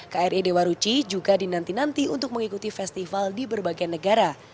kri dewa ruci juga dinanti nanti untuk mengikuti festival di berbagai negara